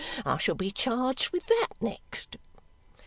I shall be charged with that next."